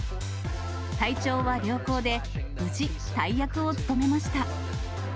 体調は良好で、無事、大役を務めました。